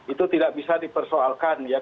itu tidak bisa dipersoalkan